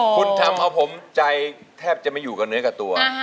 คุณทำเอาผมใจแทบจะไม่อยู่กับเนื้อกับตัว